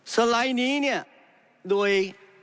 สไลด์นี้เนี่ยโดย